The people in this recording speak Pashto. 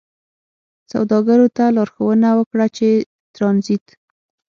سوداګرو ته لارښوونه وکړه چې ترانزیت